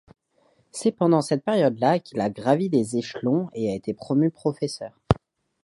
C'est pendant cette période-là qu'il a gravit les échelons et a été promu professeur.